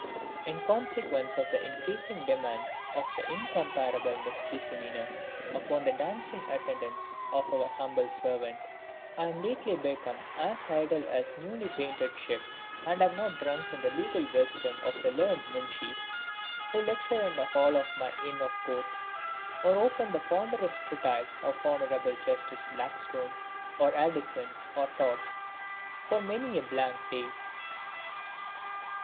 _ In consequence of the increasing demands of the incomparable Miss JESSIMINA upon the dancing attendance of your humble servant, I am lately become as idle as a newly painted ship, and have not drunk in the legal wisdom of the learned Moonshees who lecture in the hall of my Inn of Court, or opened the ponderous treatise of Hon'ble Justice BLACKSTONE or ADDISON on Torts, for many a blank day.